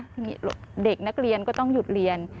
ทีนี้เด็กนักเรียนก็ต้องหยุดเรียน